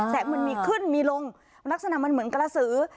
มันมีขึ้นมีลงลักษณะมันเหมือนกระสือ